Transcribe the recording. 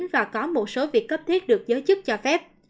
và có một số việc cấp thiết được giới chức cho phép